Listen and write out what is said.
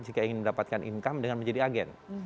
jika ingin mendapatkan income dengan menjadi agen